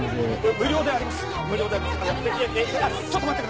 無料でやります